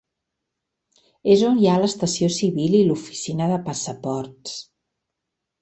És on hi ha l'estació civil i l'oficina de passaports.